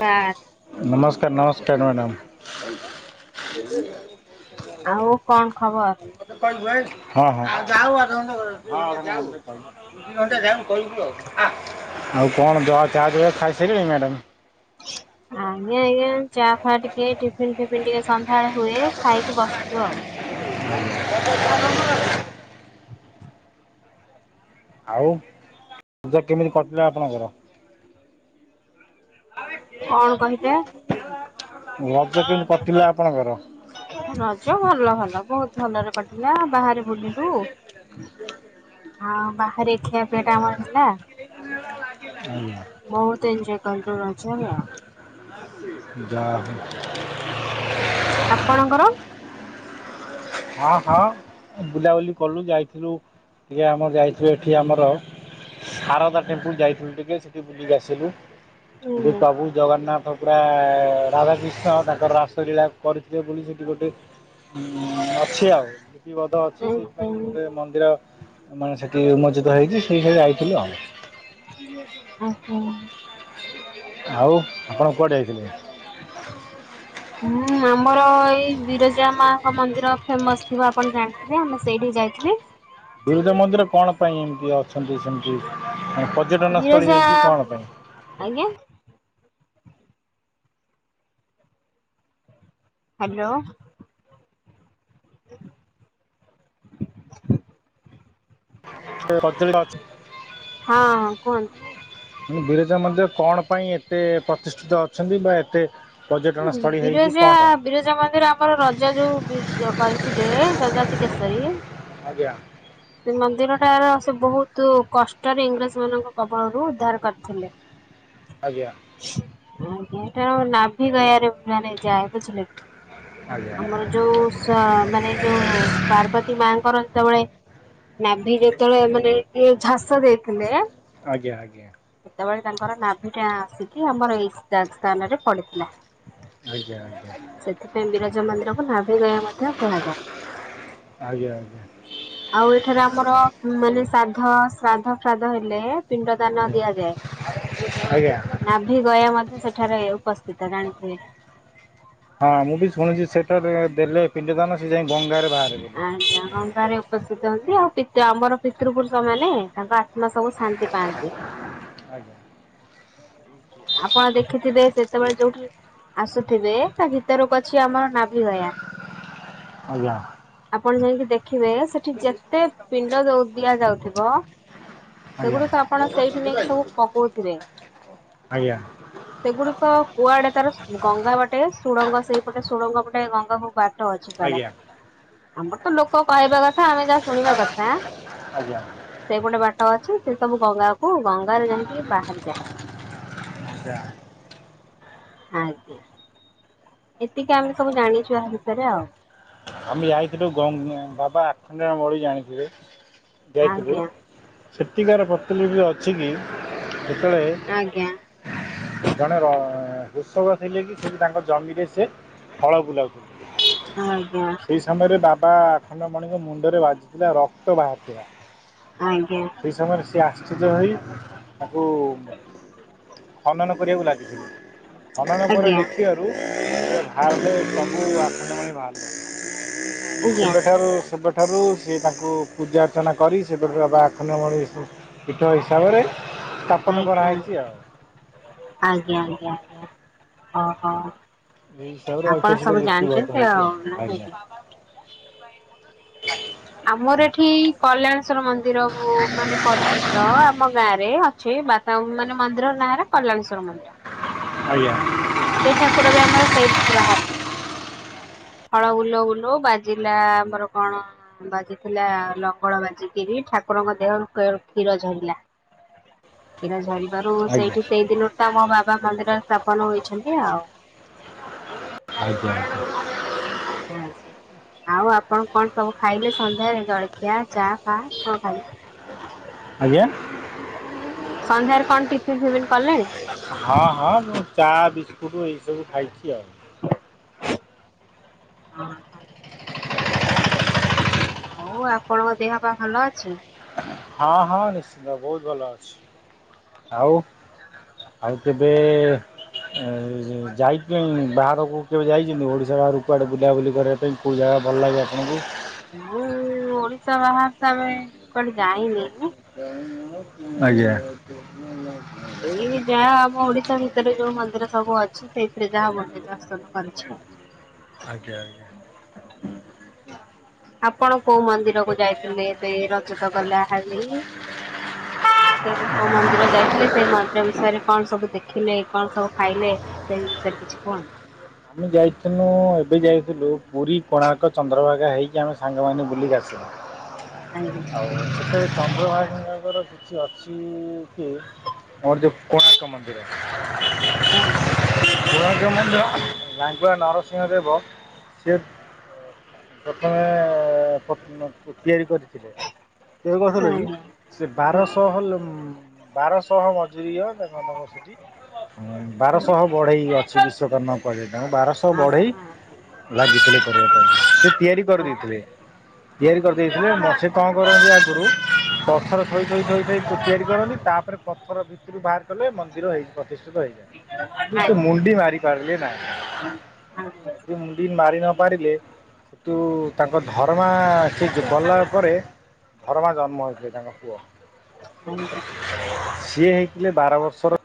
Car ନମସ୍କାର ନମସ୍କାର madam. ଆଉ କଣ ଖବର? ହଁ ହଁ ହଁ ହଁ। ଆଉ କଣ ଯହା ଚା [unintelligible] ଖାଇସାଇଲେଣି ମ୍ୟାଡାମ। ଅଁ ଇଏ ଇଏଚା ଫା ଟିକେ ଏଇଠି ଟିଫିନ ଫିପିନ ଟିକେ ସନ୍ଧ୍ୟାବେଳେ ହୁଏ ଖାଇକି ବସଚୂ ଆଉ। ସ ଆଉ ପୂଜା କେମିତି କଟିଲା ଆପଣଙ୍କର? କଣ କହିଲେ ରଜ କେମିତି କଟିଲା ଆପଣଙ୍କର? ରଜ ଭଲ ଭଲ ବୋହୁତ ଭଲରେ କଟିଲା ବାହାରେ ବୁଲିଲୁ ନି ଆଉ ବାହାରେ ଖିଆ ପିଆଟା ଆମର ହେଲା। ଏକ ମନା ଲାଗେ ବୋହୁତ ଏଞ୍ଜୟ କରିଦବା ଆଛା ହେଲା। ଯାହୋ ଆପଣଙ୍କର? ହଁ ହଁ ବୁଲାବୁଲି କଲୁ ଯାଇଥିଲୁ ଇଏ ଶ ଆମର ଯାଇଥିଲେ ଏଠି ଆମର ଶାରଦା ଟେମ୍ପୁଲ ଯାଇଥିଲୁ ଟିକେ ସେଠି ବୁଲିକି ଆସିଲୁ ଏଠି ଆଜ୍ଞା। ପ୍ରଭୁ ଜଗନ୍ନାଥ ପୁରା ରାଧାକୃଷ୍ଣ ତାଙ୍କର ରାସଲୀଳା କରିଥିଲେ ବୋଲି ସେଠି ଗୋଟେ ଉଁ ଅଛି ଆଉ ଲିପିବଧ ଅଛି ସେଥିପାଇଁ ଗୋ ମନ୍ଦିର ମାନେ ସେଠି ଉନ୍ମୋଚିତ ହେଇଚି ସେଇଠିକି ଯାଇଥିଲୁ ଆଉ। ଆହଁ। ଆଉ ଆପଣ କୁଆଡେ [inaudible] ଉଁ, ଆମର ଏଇ ବିରଜା ମାଆଙ୍କ ମନ୍ଦିର ଫେମସ୍ ଥିବ ଆପଣ ଜାଣି ରେ ଆମେ ସେଇଠିକି ଯାଇଥିଲି। ବିରାଜା ମନ୍ଦିରେ କଣ ପାଇଁ ଏମିତି ଅଛନ୍ତି ସେମତି ଅଁ, ପ ବିରଜା ଆଜ୍ଞା ହାଲୋ। [inaudible] ସେ [inaudible] ହଁ, ହଁ କୁହନ୍ତୁ। [unintelligible] ବିରଜା ମନ୍ଦିର କଣ ପାଇଁ ଏତେ ପ୍ରତିଷ୍ଠିତ ଅଛନ୍ତି ବା ଏତେ ପର୍ଯ୍ୟଟନ ହଁ ସ୍ଥଳୀ ହେଇଛି ବିରଜା କଣ ପାଇଁ? ବିରଜା ମନ୍ଦିର ଆମର ରଜା ଯୋଉ ବି-ଯୋଉ କରିଥିଲେ ଜଜାତି କେଶ ଶରୀ ଆଜ୍ଞା। ସେ ମନ୍ଦିରଟା ର ସେ ବହୁତୁ କଷ୍ଟରେ ଇଂରେଜ ମାନଙ୍କ କବଳରୁୁ ଉଦ୍ଧାର କରିଥିଲେ। ଆଜ୍ଞା। ଆଜ୍ଞା ଏଟା ନାଭି ଗୟାରେ ମାନେ ଯାଏ ବୁଝିଲେ? ଆଜ୍ଞା, ଆମର ଯୋଉ ମାନେ ଆଜ୍ଞା। ଯୋଉ ପାର୍ବତୀ ମାଆଙ୍କର ଯେତେବେଳେ ନାଭି ଯେତେବେଳେ ମାନେ ଇଏ ଝାସ ଦେଇଥିଲେ। ଆଜ୍ଞା, ଆଜ୍ଞା। ସେତେବେଳେ ତାଙ୍କର ନାଭି ଟା ଆସିକି ଆମର ଏଇ ଟା ସ୍ଥାନରେ ପଡିଥିଲା। ଆଜ୍ଞା ଆଜ୍ଞା ସେଥିପାଇଁ ବିରଜା ମନ୍ଦିରକୁ ନାଭି ଗୟା ମଧ୍ୟ କୁହାଯାଏ। ଆଜ୍ଞା, ଆଜ୍ଞା। ଆଉ ଏଠାରେ ଆମର ମାନେ ଶ୍ରାଦ୍ଧ ଶ୍ରାଦ୍ଧ ଫ୍ରାଦ୍ଧ ହେଲେ। ପିଣ୍ଡ ଦାନ ଆଜ୍ଞା ଦିଆଯାଏ। ଆଜ୍ଞା। ନାଭି ଗୟା ମଧ୍ୟ ସେଠାରେ ଉପସ୍ଥିତ ଜାଣିଥିବେ। ହଁ ମୁଁ ବି ଶୁଣିଚି ସେଟାରେ ଦେଲେ ପିଣ୍ଡ ଦାନ ସେ ଯାଇ ଗଙ୍ଗାରେ ବାହାରିବ। ଆଜ୍ଞା ଗଙ୍ଗାରେ ଉପସ୍ଥିତ ହୁଅନ୍ତି ଆଉ ପିତ ଆମର ପିତୃପୁରୁଷ ମାନେ ତାଙ୍କ ଆ ତ୍ମା ସବୁ ଶାନ୍ତି ପାଆନ୍ତି। ଆଜ୍ଞା। ଆପଣ ଦେଖିଥିବେ ସେତେବେଳେ ଯୋଉଠି ଆସୁଥିବେ ତା ଭିତରକୁ ଅଛି ଆମର ନାଭି ଗୟା। ଆଜ୍ଞା। ଆପଣ ଯାଇକି ଦେଖିବେ ସେଠି ଯେତେ ପିଣ୍ଡ ଦଉ ଦିଆଯାଉଥିବ। ଆଜ୍ଞା ସେଗୁଡିକ ଆପଣ ସେଇଠି ନେଇକି ସବୁ ପକଉଥିବେ। ଆଜ୍ଞା। ସେଗୁଡିକ କୁଆଡେ ତାର ଗଙ୍ଗା ବାଟେ ସୁଡ଼ଙ୍ଗ ସେଇପଟେ ସୁଡ଼ଙ୍ଗ ପଟେ ଗଙ୍ଗାକୁ ବା ଟ ଅଛି କୁଆଡେ। ଆଜ୍ଞା ଆମର ତ ଲୋକ କହିବା କଥା ଆମେ ଯାହା ଶୁଣିବା କଥା। ଆଜ୍ଞା ସେଇ ପଟେ ବାଟ ଅଛି, ସେ ସବୁ ଗଙ୍ଗାକୁ ଗଙ୍ଗାରେ ଯାଇକି ବାହାରିଯାଏ। [unintelligible] ଆଜ୍ଞା। ଏତିକି ଆମେ ସବୁ ଜାଣିଛୁ ଏହା ବିଷୟରେ ଆଉ। ଆମେ ଯାଇଥିଲୁ ଗଙ୍ଗ ବାବା ଆଖଣ୍ଡମଳି ଜାଣିଥିବେ ଯାଇଥିଲୁ। ଆଜ୍ଞା ସେଟିକାର ପ୍ରତିଲିପି ଅଛି କି ଯେତେଳେ ଆଜ୍ଞା। ଜଣେ ର କୃଷକ ଥିଲେ କି ସେଠି ତାଙ୍କ ଜମିରେ ସେ ହଳ ବୁଲାଉଥିଲେ। ଆଜ୍ଞା। ଏଇ ସମୟରେ ବାବା ଆଖଣ୍ଡମଣିଙ୍କ ମୁଣ୍ଡରେ ବାଜିଥିଲା ରକ୍ତ ବାହାରିଥିଲା। ଆଜ୍ଞା। ସେଇ ସମୟରେ ସିଏ ଆଶ୍ଚର୍ଯ୍ୟ ହୋଇ ତାକୁ ଖନନ କରିବାକୁ ଲାଗିଥିଲେ। ଖନନ ପରେ ଆଜ୍ଞା ଦେଖି [inaudible] ଆଜ୍ଞା। ସେବେଠାରୁ ସେବେ ଠାରୁ ସେଏ ତାଙ୍କୁ ପୂଜା ଅର୍ଚ୍ଚନା କରି ସେପଟ ବାବା ଆଖନମଣି ପୀଠ ହିସାବରେ ସ୍ଥାପନ ଆଜ୍ଞା କରାହେଇଛି ଆଉ। ଆଜ୍ଞା ଆଜ୍ଞା ଆଜ୍ଞା ଓ ହୋ। ଏଇ ହିସାବରେ ଆପଣ ଐତିହାସିକ ସବୁ ଲିପିବଦ୍ଧ ଜାଣିଚନ୍ତି ହେଇଛି ଆଉ ନା ଆଜ୍ଞା। କି? ଆମର ଏଠି କଲ୍ୟାଣେଶ୍ଵର ମନ୍ଦିର ମାନେ ପରିଚିତ ଆମ ଗାଁ ରେ ଅଛେ ବା ମାନେ ମନ୍ଦିର ନାଁରେ କଲଣେଶ୍ଵର ମନ୍ଦିର। ଆଜ୍ଞା। ସେ ଠାକୁର ବି ଆମର ସେମିତି ବାହାରି ହଳ ବୁଲଉ ବୁଲଉ ବାଜିଲା ଆମର କଣ ବାଜିଥିଲା ଲଙ୍ଗଳ ବାଜିିକିରି ଠାକୁରଙ୍କ ଦେହରୁ କ୍ଷୀର ଝରିଲା। କ୍ଷୀର ଝରିବାରୁ ଆଜ୍ଞା ସେଇଠି ସେଇ ଦିନରୁ ତ ଆମ ବାବା ମନ୍ଦିର ସ୍ଥାପନ ହୋଇଛନ୍ତି ଆଉ। ଆଜ୍ଞା। ହୁଁ। ଆଉ ଆପଣ କଣ ସବୁ ଖାଇଲେ ସନ୍ଧ୍ୟାରେ ଜଳଖିଆ ଚା ଫ କଣ ଖାଇଲେ? ଆଜ୍ଞା? ସନ୍ଧ୍ୟାରେ କଣ ଟିଫିନ ଫିଫିନ କଲେଣି? ହଁ ହଁ ମୁଁ ଚା ବିସ୍କୁଟ୍ ଏଇସବୁ ଖାଇଚି ଆଉ। ହଁ ହଁ। ହଉ ଆପଣଙ୍କ ଦେହ ପା ଭଲ ଅଛି? ହଁ ହଁ ନିଶ୍ଚିନ୍ତ ବହୁତ ଭଲ ଅଛି। ଆଉ ଆଉ କେବେ ଯାଇ ବାହାରକୁ କେବେ ଯାଇଚନ୍ତି ଓଡ଼ିଶା ବାହାରୁକୁ କୁଆଡ଼େ ବୁଲାବୁଲି କରିବା ପାଇଁ କେଉଁ ଜାଗା ଭଲ ଲାଗେ ଆପଣଙ୍କୁ? ମୁଁ ଓଡିଶା ବାହାରେ ତ ଆମ କୁଆଡେ ଯାଇନି। [unintelligible] ଆଜ୍ଞା। ଏଇ ଯାହା ଆମ ଓଡିଶା ଭିତରେ ଯୋଉ ମନ୍ଦିର ସବୁ ଅଛି ସେଇଥିରେ ଯାହା ମନ୍ଦିର ଯ ସବୁ କରିଛି ଆଉ। ଆଜ୍ଞା ଆଜ୍ଞା। ଆପଣ କୋଉ ମନ୍ଦିର କୁ ଯାଇଥିଲେ ତେ ଏ ରଜତ ଗଲା ହଲି କେବେ କୋଉ ମନ୍ଦିର ଯାଇଥିଲେ ସେଇ ମନ୍ଦିର ବିଷୟରେ କଣ ସବୁ ଦେଖିଲେ କଣ ସବୁ ଖାଇଲେ? ସେ ବିଷୟ ରେ କିଛି କୁହନ୍ତୁ। ଆମେ ଯାଇଥିଲୁ ଏବେ ଯାଇଥିଲୁ ପୁରୀ କୋଣାର୍କ ଚନ୍ଦ୍ରଭାଗା ହେଇକି ଆମେ ସାଙ୍ଗମାନେ ବୁଲିକି ଆସିଲୁ। ଆଜ୍ଞା। ସେଠ ଚନ୍ଦ୍ରଭାଇଙ୍କଙ୍କର କିଛି ଅଛି କି ମର ଯୋ କୋଣାର୍କ ମନ୍ଦିର। ହୁଁ। କୋଣାର୍କ ମନ୍ଦିର [unintelligible] ନରସିଂହଦେବ [unintelligible] ପ୍ରଥମେ [unintelligible] ତିଆରି କରିଥିଲେ [unintelligible] କି ଆଜ୍ଞା। ସେ ବାରଶହ ଲୋକ ବାରଶହ ମଜୁୁରୀଙ୍କ ତାଙ୍କ ସେଠି ବାରଶହ ବଢ଼େଇ ଅଛି ବିଶ୍ଵକର୍ମା ତାଙ୍କୁ ବାରଶହ ଆଜ୍ଞା ବଢ଼େଇ ଲାଗିଥିଲେ କରିବା ପାଇଁ ସେ ତିଆରି କରିଦେଇଥିଲେ। ତିଆରି କରିଦେଇଥିଲେ [unintelligible] ସେ କଣ କରନ୍ତି ଆଗରୁ ପଥର ଥୋଇଥୋଇ ଥୋଇଥୋଇ ତିଆରି କରନି ତାପରେ ପଥର [unintelligible] [unintelligible] ବାହାର କଲେ ମନ୍ଦିର ହେଇ ପ୍ରତିଷ୍ଠିତ ହେଇଯାଏ କିନ୍ତୁ ସେ ମୁଣ୍ଡି ମାରି ପାରିଲେ ନାହିଁ। [inaudible] ଯଦି ମୁଣ୍ଡି ମାରି ନ ପାରିଲେ ତୁ ତାଙ୍କ ଧର୍ମା ସେ ଗଲା ପରେ ଧରମା ଜନ୍ମ ହୋଇଥିଲେ ତାଙ୍କ ପୁଅ। ଆଜ୍ଞା। ସିଏ ହେଇଥିଲେ ବାର ବର୍ଷର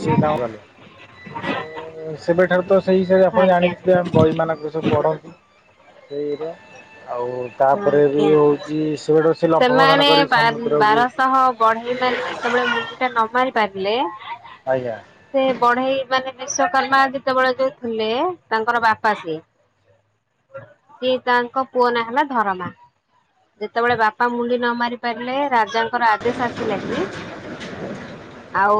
ସେବେଠାରୁ ତ ସେବେ ଠାରୁ ହିସାବରେ ଆପଣ ଆଜ୍ଞା। ଜାଣିିଥିବେ ବହିମାନଙ୍କରେ ସବୁ ପଢ଼ନ୍ତି ସେଇ ଏଇରିଆ ଆଉ ତା ଆଜ୍ଞା ପରେ ବି ଆଜ୍ଞା। ହେଉଛି [unintelligible] ସେ ଲମ୍ଫ ପ୍ରଦାନ କରି ସମୁଦ୍ରକୁ ବଢ଼େଇ ମାନ ଯେତେବେଳେ ମୁଣ୍ଡି ଟା ନ ମାରି ପାରିଲେ ଆଜ୍ଞା ସେ ବଢ଼େଇ ମାନେ ବିଶ୍ଵକର୍ମା ଯେତେବେଳେ ଯୋଉ ଥିଲେ ତାଙ୍କର ବାପା ସିଏ। ସିଏ ତାଙ୍କ ପୁଅ ନା ହେଲା ଧରମା। ଯେତେବେଳେ ବାପା ମୁଣ୍ଡି ନ ମାରି ପାରିଲେ ରାଜାଙ୍କର ଆଦେଶ ଆସିଲା କି [inaudible] ଆଉ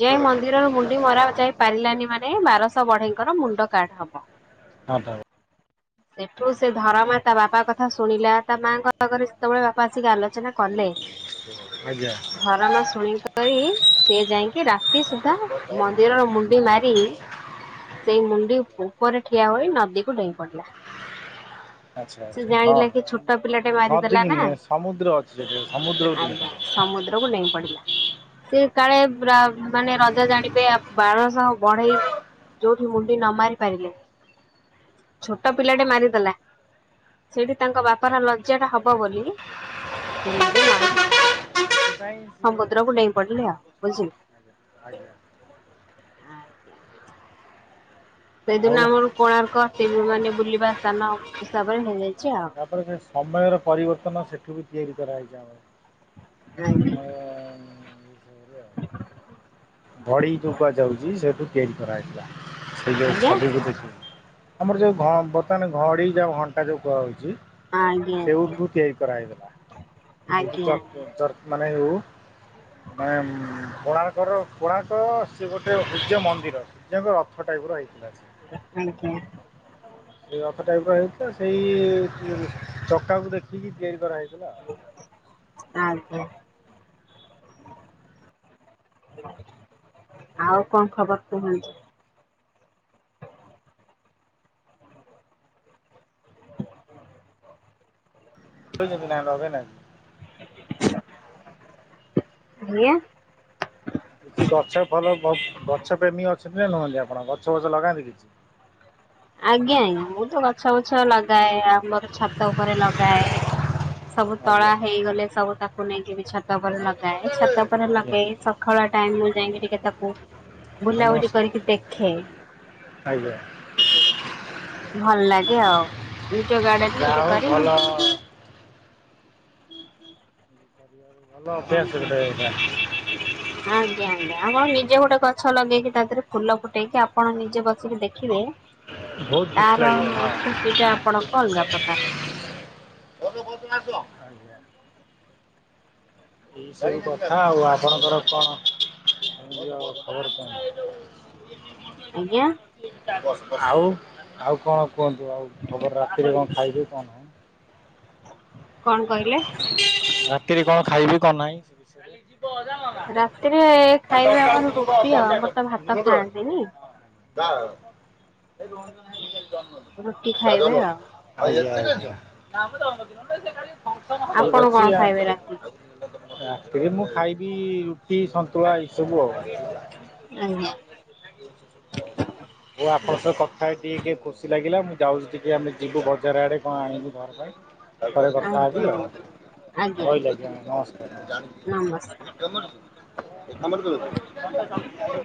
ଯେ ମନ୍ଦିରର ମୁଣ୍ଡି ମରା ଯାଇ ପାରିଲାନି ମାନେ ବାରଶହ ବଢ଼େଇଙ୍କର ମୁଣ୍ଡ କାଟ୍ ହବ। ହଁ ତା ସେଠୁ ସେ ଧରମାତା ବାପା କଥା ଶୁଣିଲା। ତା ମାଙ୍କ ପାଗରେ ସେତେବେଳେ ବାପା ଆସିକି ଆଲୋଚନା କଲେ ଆଜ୍ଞା। ଧରମା ଶୁଣିକରି ସେ ଯାଇକି ରାତି ସୁଧା ମନ୍ଦିରର ମୁଣ୍ଡ ଣ୍ଡି ମାରି ସେଇ ମୁଣ୍ଡି ଉପରେ ଠିଆ ହୋଇ ନଦୀକୁ ଡେଇଁ ପଡିଲା। ଆଚ୍ଛା ସେ ଆଚ୍ଛା ହଁ ଜାଣିଲା କି ହଁ। ଛୋଟ ପିଲାଟେ ନଦୀ ମାରିଦେଲା କି ନା, ନୁହେଁ ସମୁଦ୍ର ଅଛି ସେଠି ସମୁଦ୍ରକୁ ଡେଇଁ ଆଜ୍ଞା। ସମୁଦ୍ରକୁୁ ଡେଇଁ ପଡି଼ଲା। ସେ କାଳେ ମାନେ ରଜା ଜାଣିବେ ବାରଶହ ବଢ଼େଇ ଯୋଉଠି ମୁଣ୍ଡି ନ ମାରି ପାରିଲେ ଛୋଟ ପିଲାଟେ ମାରିଦେଲା। ସେଇଠି ତାଙ୍କ ବାପାର ଲଜ୍ଜା ଟା ହବ ବୋଲି ସେ ନିଜେ ନଈରେ ସେଥିପାଇଁ ସିଏ ସମୁଦ୍ରକୁ ଡେଇଁ ପଡି଼ଲେ ଆଉ। [unintelligible] ଆଜ୍ଞା ଆଜ୍ଞା। ଆଉ ସେଇଦିନ ଆମର କୋଣାର୍କ ସେ ମାନେ ବୁଲିବା ସ୍ଥାନ ହିସାବରେ ହେଇଯାଇଛି ଆଉ। ତାପରେ ସେ ସମୟର ପରିବର୍ତ୍ତନ ସେଠୁ ବି ତିଆରି କରାହେଇଥିଲା। ହୁଁ। ଭଡି଼ ଯୋଉ କୁହାଯାଉଛି ସେଠୁ ତିଆରି କରାଇଥିଲା। ସେ ଆଜ୍ଞା ଯୋଉ ଆଜ୍ଞା ଛବି [unintelligible] ଆମର ଯୋଉ ଘ ବର୍ତ୍ତମାନ ଘଡି଼ ଯଉ ଘଣ୍ଟା ଯୋଉ କୁହାହଉଚି ଆଜ୍ଞା ସେଉଠୁ ତିଆରି କରାଯାଉଥିଲା, ସେଇ ଆଜ୍ଞା। ଯୋଉ ଚ ଚ ମାନେ ହଉ ମାନେ କୋଣାର୍କର କୋଣାର୍କ ସେ ଗୋଟେ ଉୂର୍ଜଯ୍ୟ ମନ୍ଦିର। ଜି ଆଙ୍କ ରଥ ଟାଇପ୍ ର ହେଇଥିଲା ସେ। ଏତିକି। ଏ ରଥ ଟାଇପ୍ ର ହେଇଥିଲା ସେଇ ଇଏରେ ଚକାକୁ ଦେଖିକି ତିଆରି କରାହେଇଥିଲା। ଆଉ ଆଜ୍ଞା। ଆଉ କଣ ଖବର କୁହ। ତ ନିନିନା ନବେନା କି? ଭାୟା କିଛି ଗଛ ଭଲ ବ ଗଛ ପ୍ରେମୀ ଅଛନ୍ତି ନା ନୁହନ୍ତି ଆପଣ, ଗଛ ବଛ ଲଗାନ୍ତି କିଛି? ଆଜ୍ଞା, ଆଜ୍ଞା ମୁଁ ତ ଗଛ ବୁଛ ଲଗାଏ, ଆମର ଛାତ ଓପରେ ଲଗାଏ। ସବୁ ତଳା ଆଜ୍ଞା ହେଇଗଲେ ସବୁ ତାକୁ ନେଇକି ବି ଛାତ ଓପରେ ଲଗାଏ, ଛାତ ଓପରେ ଆଜ୍ଞା ଲଗେଇ ସ ଖଳା ଟାଇମ୍ ମୁଁ ଯାଇକି ଟିକେ ତାକୁ ଭାଇ ବୁଲାବୁଲି ନମସ୍କାର କରିକି ଦେଖେ। ଆଜ୍ଞା। ଭଲ ଲାଗେ ଆଉ ନିଜ ଗାର୍ଡେନ୍ ଯାହା ନିଜେ ହଉ କରି ଭଲ ମୁଁ ତ କରିବାରୁ ଭଲ ଅଭ୍ୟାସ ଗୋଟେ ଏଇଟା। ଆଁ ଆଜ୍ଞା ଆଜ୍ଞା ଆପଣ ନିଜେ ଗୋଟେ ଗଛ ଲଗେଇକି, ତା ଦେହେରେ ଫୁଲ ଫୁଟେଇକି, ଆପଣ ନିଜେ ବସିକି ଦେଖିବେ ବହୁତ ଖୁସି ତାର ଲାଗିବ ହଁ ଖୁସିଟା ଆପଣଙ୍କ ଅଲଗା ପ୍ରକାର। ଆଜ୍ଞା। ଏଇ ସବୁ କଥା ଆଉ ଆପଣଙ୍କର କଣ ଏମିତି ଆଉ ଖବର କଣ? ଆଜ୍ଞା? ଆଉ ଆଉ କଣ କୁହନ୍ତୁ ଆଉ ଖବର ରାତିରେ କଣ ଖାଇବେ କଣ? ନାହିଁ? କଣ କହିଲେ? କିରି କଣ ଖାଇଲି କଣ ନାହିଁ ସେ ବିଷୟରେ। ରାତିରେ ଖାଇବେ ଆମର ରୁଟି ଆଉ ଆମର ତ ଭାତ ଖାଆନ୍ତିନି। ତ ରୁଟି ଖାଇବେ ଆଉ। ଏ ରୁଟି ଆପଣ କଣ ଖାଇବେ ରାତିକୁ ଆ ରାତିରେ ମୁଁ ଖାଇବି ରୁଟି ସନ୍ତୁଳା ଏସବୁ ଆଉ। ଆଜ୍ଞା। [inaudible] ହୋଉ ଆପଣ ସହ କଥା ହେଇ ଟିକେ ଖୁସି ଲାଗିଲା। ମୁଁ ଯାଉଚି ଟିକେ ଆମେ ଯିବୁ ବଜାର୍ ଆଡ଼େ କଣ ଆଣିବୁ ଘର ପାଇଁ। ପରେ କଥା ହେବ ଆଜ୍ଞା ଆଜ୍ଞା ଅ ରହିଲି ଆଜ୍ଞା ନମସ୍କାର। ନମସ୍କାର। ଏମର ସୁ [inaudible]